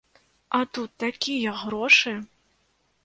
А тут такія грошы!